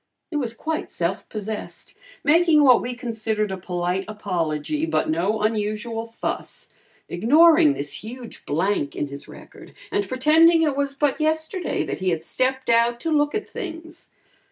He was quite self possessed, making what we considered a polite apology but no unusual fuss, ignoring this huge blank in his record and pretending it was but yesterday that he had stepped out to "look at things."